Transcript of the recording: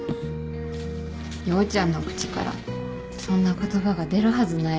陽ちゃんの口からそんな言葉が出るはずないのにね。